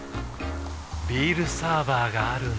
ビールサーバーがある夏。